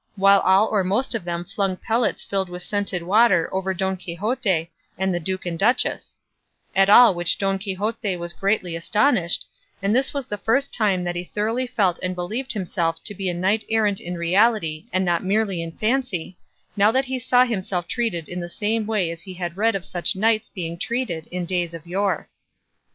while all or most of them flung pellets filled with scented water over Don Quixote and the duke and duchess; at all which Don Quixote was greatly astonished, and this was the first time that he thoroughly felt and believed himself to be a knight errant in reality and not merely in fancy, now that he saw himself treated in the same way as he had read of such knights being treated in days of yore.